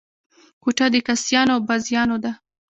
کوټه د کاسيانو او بازیانو ده.